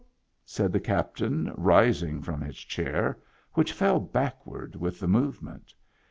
said the captain, rising from his chair, which fell backward with the movement.